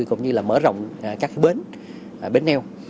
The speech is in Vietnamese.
cũng như là mở rộng các bến bến eo